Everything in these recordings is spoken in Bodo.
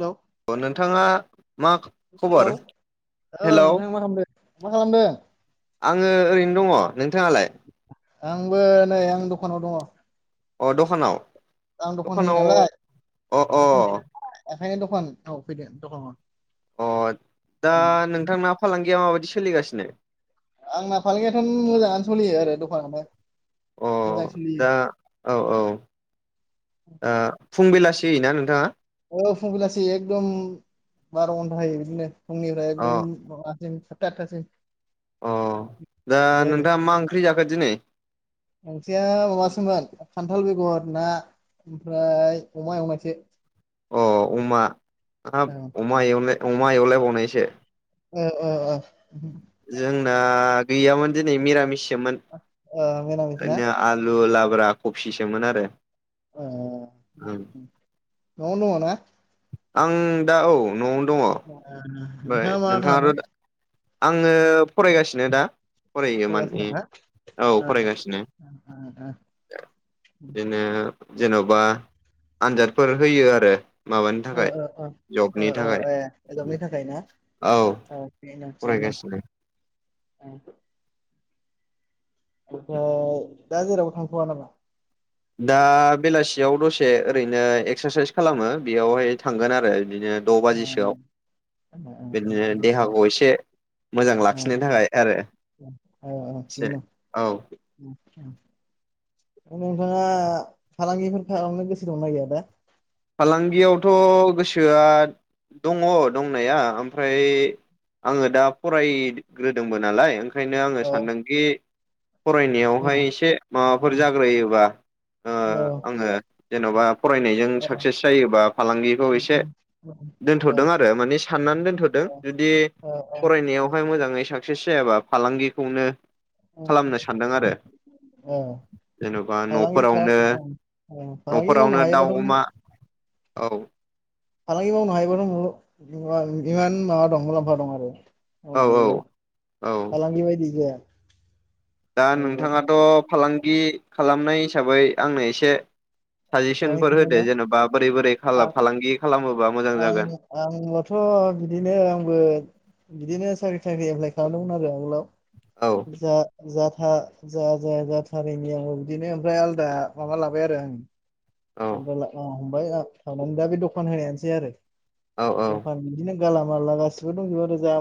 हेलौ अ नोंथाङा माग खबर? औ हेलौ नोंथां मा खामदो मा खालामदों? आङो ओरैनो दङ' नोंथाङालाय? आंबो नै आं दखानाव दङ'। अ दखानाव आं दखान होयो दखानाव नालाय अ' अ। दखान ओंखायनो दखान औ फैदो दखानाव। अ' दा नोंथांना फालांगिया माबायदि सोलिगासिनो। आंना फालांगियानथ'न मोजाङानो सलियो आरो दखानानो। अ मोजां सोलियो। ओ फुं बेलासि होयो ना नोंथाङा? औ फुं बेलासि एकदम बार' घन्टा होयो बिदिनो फुंनिफ्राय अ एकदम माबासिम सा टाट थासै। अ' दा नोंथाङा मा ओंख्रि जाखो दिनै? ओंख्रिया माबासोमोन खान्थाल बेगर ना। ओमफ्राय अमा एवनायसो। अ' अमा ओ खाब अमा एवनाय अमा एवलाय बावनायसो। अ अ अ जोंना गैयामोन दिनै मिरामिससोमोन। ओ मिरामिस ना जोंनिया आलु लाब्रा कफिसोमोन आरो। ओ ओं न'आवनो दङ' ना। आं दा औ न'आव आ नोंथाङा मा खालामो। आंङो फरायगासिनो दा। फरायो फरागासिनो माने औ दंना फरायगासिनो ओ ओ ओ ओ। बिदिनो जेन'बा। आनजादफोर होयो आरो माबानि थाखाय ओ जबनि थाखाय। हा औ थिगौनो फरायगासिनो दं थिगौनो दं अ। ओमफाय दा जेरावबो थांथ'वा नामा। दा बेलासियाव दसे ओरैनो एक्सारसाइस खालामो बेयावहाय थांगोन आरो। बिदिनो द' औ बाजिसोआव बिदिनो देहाखौ एसे मोजां औ लाखिनो थाखाय आरो औ औ एसे थिगौनो औ दं उम। दा नोंथाङा फालांगिफोर खालामनो गोसो दंना गैया दा? फालांगियावथ' गोसोआ दङ' दंनाया आमफ्राय आङो दा फरायग्रोदोंबो नालाय ओंखायनो औ आङो सानदोंखि औ फरायनियावहाय एसे औ माबाफोर जाग्रोयोबा ओ आङो जेन'बा फरायनायजों औ साक्सेस जायोबा फालांगिखौ एसे औ दोन्थ'दों आरो माने सान्नानै दोनथ'दों जुदि औ फरायनायावहाय मोजाङै सा साक्सेस जायाबा फालांगिखौनो खालामनो सान्दों आरो। औ जेन'बा फालांगि न'फोरावनो खालाम औ फालांगि मावनो न'फोरावनो दाउ हायोबाथ' अमा औ। [inaudible] मावनायोबो औ औ औ फालांगि बायदि जाया? दा आंबो नोंथाङाथ फालांगि खालामनाय हिसाबै आंनो एसे फालांगि साजेसनफोर खालामनायना होदो जेनबा बोरै बोरै आं फालांगि खालामोबा मोजां जागोन। औ बिदिनो आंबो बिदिनो फारि फारि एप्लाइ खालामदोंमोन आरो आगोलाव औ बुरजा जा था जा जाया जाथारैनि आं बिदिनो ओमफ्राय आलदा माबा लाबाय आरो आं औ आ हमबाय थांनानै दा बे दखान होनायानोसै आरो औ औ दखान बिदि नों गालालामाला गासिबो दंजोबो आरोजा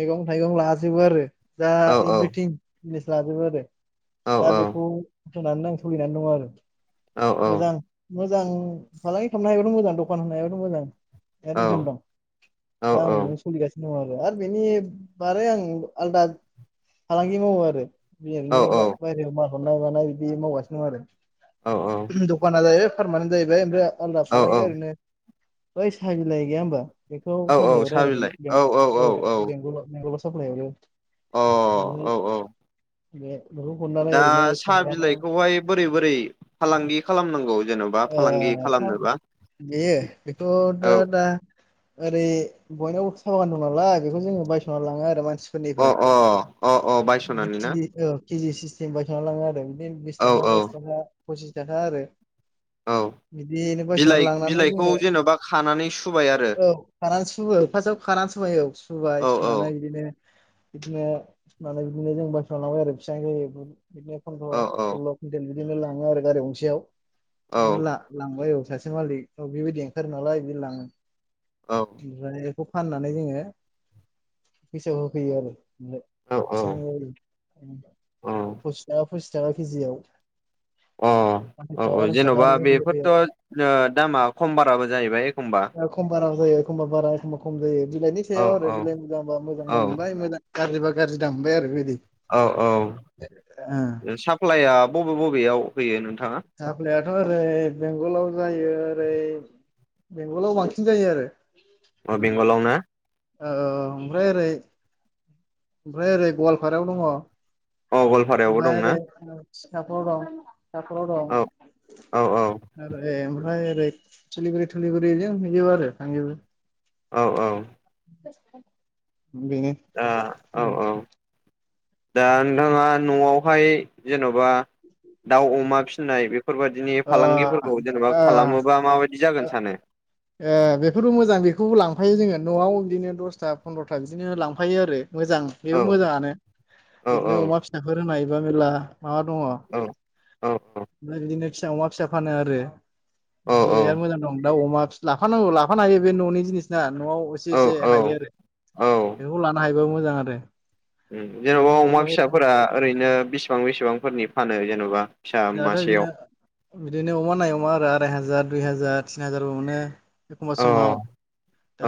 मैगं थाइगं लाजोबो आरो दा औ एभ्रिथिं जिनिस लाजोबो आरो औ दा बेखौ नानै दा थांनानै दङ आरो औ औ मोजां मोजां फालांगि खोनथाग्रो होनबा दखान होनायाबो मोजां बिराद औ इनकाम दं दा आं बिजोंनो सोलिगासिनो दङ आरो आरो बेनि बारै आं आलदा फालांगि मावो आरो बे रैनो औ औ बायहेरायाव मार हरनाय मानाय बिदि मावगासिनो दं आरो दखाना जायो पारमानेन्ट जाहैबाय ओमफ्राय आलदा औ फालांगिया ओरैनो बै सा बिलाय गैया होनबा बेखौ साफलाय हरो आरो बे औ बेंग बेंगल सपनायफ्राय अ औ औ बे बेखौ हरनानै दा ओरैनो साहा सामब्राम बिलाइखौहाय बोरै बोरै फालांगि खालामनांगौ? जेन'बा ओ फालांगि खालामनोबा बेयो बेखोथ औ दा ओरै बयनावबो साह बागान दं नालाय बेखौ जोङो बायसना लाङो आरो मानसि सि अ फोरनिफ्राय अ अ अ बायस'नानै ना बेखिनि औ केजि सिस्टम बायखाना लाङो आरो बिदिनो बिस औ थाखा औ बाइस थाखा पसिस थाखा आरो औ बिदिनो बायसनानै बिलाइ लांनानै बिलाइखौ जोङो जेन'बा खानानै सुबाय आरो औ खानानै सुप फार्टआव खानानै ह सबयाव सुबाय औ औ सुनानै बिदिनो बिदिनो माने बिदिनो जों बायसना लांबाय आरो बिसिबां जायो बिदिनो औ फन्द्र' सल्ल' कुइनटेल बिदिनो लाङो आरो गारि गंसेयाव औ बिदिनो लांबाय औ सासे मालिक औ बेबायदि ओंखारो नालाय बिदि लाङो औ ओमफ्राय बेखौ फाननानै जोङो फैसायाव होफैयो आरो औ बेसां फसिस थाखा फसिस थाखा केजिआव अ औ औ जेनबा होफैयो आरो बेफोर' दामा खम बाराबो जाहैबाय एखमबा एखम बारा जायो एखमबा बारा एखमबा खम जायो बिलाइनि औ सायाव आरो औ बिलाइ मोजांबा औ मोजांल मोनबाय मोजां गाज्रिबा गाज्रि दाम मोनबाय आरो बिदि औ औ साप्लाइआ बबे बबेयाव होयो नों साफ्लाया थ ओरै बेंगलाव जायो ओरै बेंगलाव बांसिन जायो आरो। अ बेंगलाव ना? औ औ ओमफ्राय ओरै ओमफ्राय ओरै गवालपारायाव दङ। अ गवालपारायावबो आमफाय दंना ओरै साखाव दं साखाव दं औ औ औ ओरै आमफ्राय ओरै सिलिगुरि थुलिगुरि मिजबो आरो थांजोबो। औ औ। [unintelligible] द ओ औ औ दा ओ नोंथाङा नआव बेहाय जेनबा दाउ अमा फिनाय फोरबायाददिनि ओ फालांगिफोरखौ जेनेबा खालामोबा माबायदि जागोन सानो? बेफोरबो मोजां बेखौबो लांफायो जोङो नआव बिदिनो दसथा फन्द्रथा बिदिनो लांफायो आरो। मोजां औ बेबो मोजाङानो औ बिदिनो अमा फिसाफोर होनो हायोबा मेर्ला माबा दङ औ औ ओमफ्राय बिदिनो फिसा अमा फिसा फानो आरो बेराद मोजां दं दा अमा फि-लाफानांगौ लाफानो हायो बे न'नि जिनिसना। न'आव एसे औ एसे औ हायो आरो औ बेफोरखौ लानो हायोबो मोजां आरो। उम जेन'बा अमा फिसाफोरा ओरैनो बिसिबां बेसेबांफोरनि फानो जेन'बा? फिसा दाथ' मासेयाव इदिनो इदिनो अमा नायै अमा आरो आराय हाजार दुइ हाजार तिन हाजारबो मोनो एखमबा अ समाव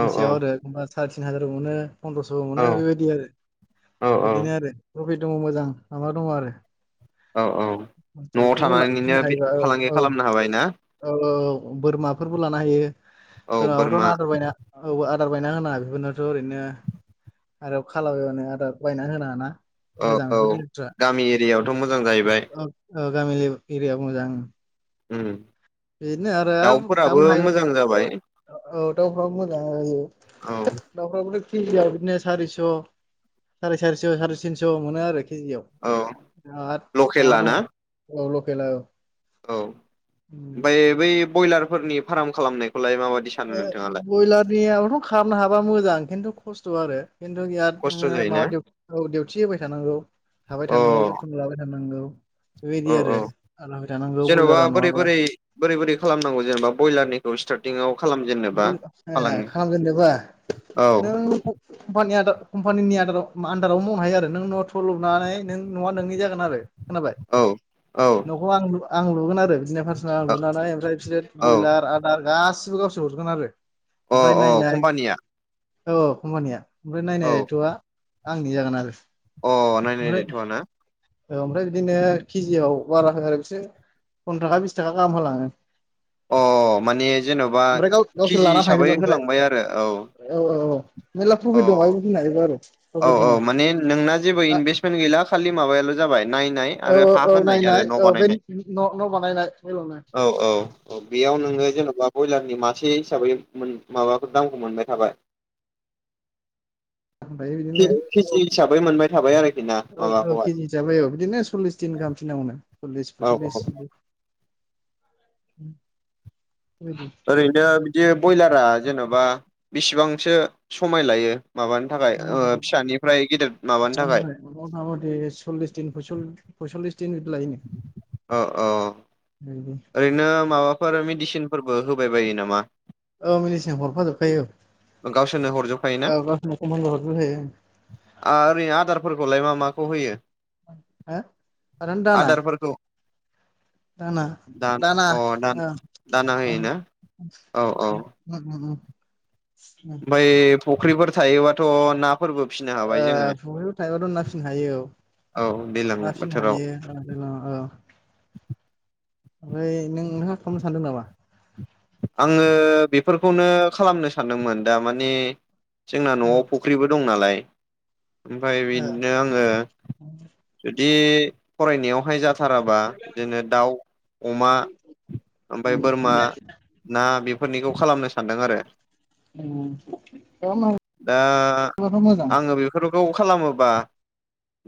औ आरो एखमबा साराय तिन हाजार मोनो। फन्द्रस'बो मोनो बेबायदि आरो औ बिदिनो आरो प्रफिट दङ मोजां माबा दङ आरो। औ औ आदसा न'आव बेफोरखौ ला फिनो थानानैनिनो बे हायोबा औ फालांगि औ खालामनो हाबाय ना। औ औ बोरमाफोरबो लानो औ हायो बोरमा बोरमाखौथ' आदार बायनाया औ आर आदार बायना होनाङा बेफोरनोथ' ओरैनो आरो खाला बायबानो आदार बायना होनाङा ना। औ मोजां औ बेफोर जिनिसफ्रा गामि एरियायावथ' मोजां जाहैबाय। औ औ गामि लेब एरियाव मोजां। उम। बेनो आरो आर दाउफोराबो खालामनो मोजां जाबाय हायोबाथ' औ दाउफ्राबो मोजां जायो औ दाउफ्राबो केजिआव बिदिनो सारिस' साराय सारिस' साराय तिनस' मोनो आरोखि केजियाव औ बिराद माबा लकेला दङ ना औ लकेला औ। औ ओमफ्राय बै बयलारफोरनि फार्म खालामनायख ओ बयलारनियाबथ' खामनो हाब्ला मोजां खिन्थु खस्थ' आरो। खिन्थु बियाद खस्थ' नोङो जायोना माबा डिउ औ डिउटि होबाय थानांगौ। थाबाय अ थानांगौ जोथोन लाबाय थानांगौ। बेबायदि औ आरो औ आरो होबाय थानांगौ जेनेबा ब्रयलारा बोरै नङाबा बोरै बोरै बोरै खालामनांगौ जेनेबा बयलारनिखौ स स्टार्टिङाव खालाम बयलार ओ खालामजेननोबा औ नों कम्पानि आन्ड कम्पानिनि आन्डाराव आन्डाराव मावनो हायो आरो नों न'आव थ' लुनानै नों न'आ नोंनि जागोन आरो। खोनाबाय? औ औ न'खौ आं लु आं लुगोन आरो बिदि सिना लुनानै ओमफ्राय बिसोरो औ बयलार आदार गासिबो गावसोर हरजोबगोन आरो। अ ओमफ्राय अ नायनाय कम्पानिया? औ कम्पानिया ओमफ्राय औ नायनाय दायथ'आ आंनि जागोन आरो। अ नायनाय ओमफ्राय दायथ'वा ना? औ ओमफ्राय बिदिनो केजियाव बारा होआ आरो बिसोर फन्द्र' थाखा बिस थाखा गाहाम होलाङो। अ माने जेन'बा ओमफ्राय गाव गावसोर केजि लाना हिसाबै थांजोबगोन ओमफ्राय होलांबाय आरो औ। औ औ औ मेरला औ प्रपिट दं हायबो बुंनो हायोबा आरो। औ प्रफिट दङ औ माने नोंना जेबो इनभेसमेन्ट गैला खालि माबायाल' जाबाय। नायनाय औ आरो हा औ होनाय आरो नायनाय न' औ बे बानायनाय। न' बानायनाय बेल'नो [inaudible] औ औ औ बे याव नोङो जेनेबा बयलार नि मासे हिसाबै मोन-माबाफोर दामखौ मोनबाय थाबाय। ओमफ्राय बिदिनो के-केजि हिसाबै मोनबाय थाबाय आरोखि ना औ औ माबाखौहाय? केजि हिसाबै औ बिदिनो सल्लिस दिन गाहाम फिननांगौनो सललिस औ फयसलिस औ बिदि ओरैनो बिदि बयलारा जेन'बा बिसेबांसो समाय लायो? माबानो थाखाय [unintelligible] ओ फिसानिफ्राय गेदेर माबानो थाखाय ओमफ्राय मथा मथि सल्लिस दिन फयस-फयस'ललिस दिन लायोनो। अ अ नों ओरैनो माबाफोर मेडिसिनफोरबो होबाय बायो नामा? औ मिनिसिन हरफाजोबखायो। गावसोरनो हरजोबखायोना? औ गावसोरनो कमन हरजोबखायो आरै ओरैनो आदारफोरखौलाय मा मा खौ होयो? हो खारेन दाना। आदारफोरखौ दाना दान दाना अ दान ओं दाना ओं। होयोना औ उम उम उम। ओमफाय फुख्रिफोर थायोबाथ' ना फोरबो फिसिनो हाबाय जोङो। फुख्रियाव थाइबा दं नाफिननो हायो औ औ दैज्लां ना फिसिनो बोथोराव हायो ओमफाय नों नोंहा खालामनो सानदों नामा? आङो बेफोरखौनो खालामनो सानदोंमोन दा माने जोंना न'आव फुख्रिबो दं नालाय ओमफाय बिदिनो आङो बे फरायनायावहाय जाहाथे साराबा बिदिनो दाउ अमा ओमफाय बोरमा ना बेफोरनिखौ खालामनो सानदों आरो। खालामनो दा मोजां आङो बेफोर खौ खालामोबा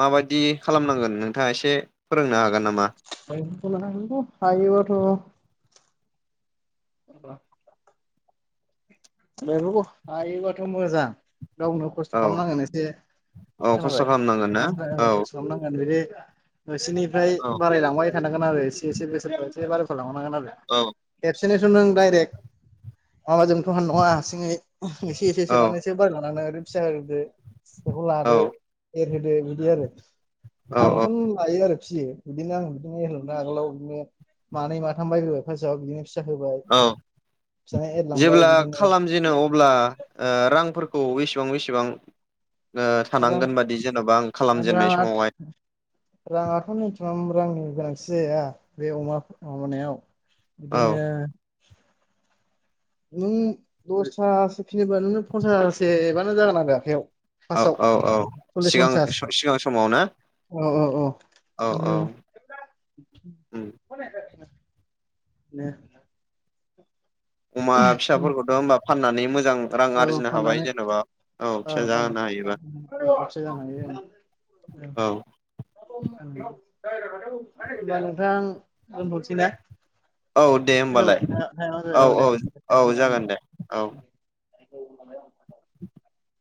माबायदि खालामनांगोन नोंथाङा एसे फोरोंनो हागोन। नामा [inaudible] हायोबाथ' [unintelligible] बेफोरखौ हायोबाथ' मोजां गावनो खस्थ' औ खालामनांगोन एसे औ खस्थ' खोनाबाय खालामनांगोन [inaudible] ना औ जेरै नोंसोरनिफ्राय औ बारायलांबाय थानांगोन आरो एसे एसे बोसोरफ्राव एसे बाराय [inaudible] लांनांगोन औ आरो [unintelligible] माबाजों अङा हारसिङै एसे एसे औ सोनानै एसे बाराय लांनो आरो फिसा दो [unintelligible] लादो एरहोदो बिदि आरो औ औ आंबोथ' लायो आरो फिसियो बिदिनो आं बिदिनो एरहोयोमोन आगोलाव बिदिनो मानै माथाम बायग्रोबाय फारस्ट आव बिदिनो फिसा होबाय औ फिसाया एरलांबाय बिदिनो दिन अब्ला ओ रांफोरखौ एसेबां बेसेबां ओ रां थानांगोन बादि जेन'बा आं खालामजेननाय राङा समावहाय राङाथ' मिनिमाम रांनि गोनांथि जाया बे अमा माबानायाव औ बिदिनो नों दसथासो फिनोबा नोंनो पन्सास हाजारसे बानो जागोन आरो आखाइयाव औ औ औ सिगां सिगां समावनो औ औ उम औ दे। अमा फिसाफोरखौथ' होनबा फाननानै मोजां मोजां रां औ आरजिनो हाबाय फाननानै जेन'बा औ फिसा जाहोनो हायोबा लाबसो जानो औ। औ। [unintelligible] अब्ला नोंथां दोनथ'सै ना? औ दे होमबालाय खोनाबाय औ दे औ-औ-औ जागोन दे औ। [inaudible] [inaudible]